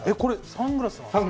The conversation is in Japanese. サングラスなんですか？